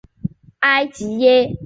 埃吉耶。